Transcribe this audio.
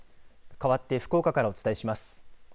かわって福岡からお伝えします。